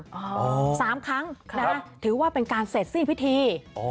อ๋อครับสามครั้งถือว่าเป็นการเสร็จสิ่งพิธี